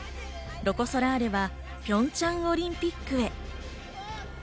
ロコ・ソラーレはピョンチャンオリンピックへ。